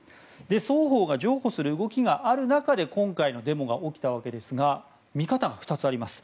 双方が譲歩する動きがある中で今回のデモが起きたわけですが見方が２つあります。